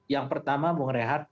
yang pertama bung rehat